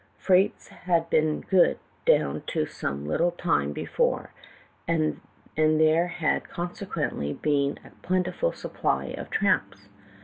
Freights had been good down to some little time before, and there had conse quently been a plentiful supply of tramps.